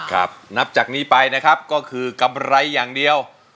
นับจากนี้ไปนะครับก็คือกำไรอย่างเดียว